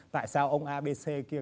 tại sao ông abc kia